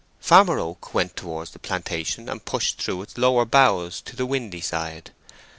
Farmer Oak went towards the plantation and pushed through its lower boughs to the windy side.